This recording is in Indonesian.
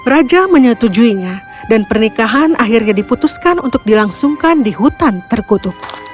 raja menyetujuinya dan pernikahan akhirnya diputuskan untuk dilangsungkan di hutan terkutuk